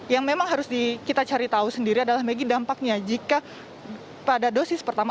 yang memang harus kita cari tahu sendiri adalah megi dampaknya jika pada dosis pertama